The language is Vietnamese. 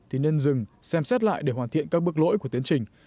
thì nên dừng xem xét lại để hoàn thiện các bước lỗi của tiến trình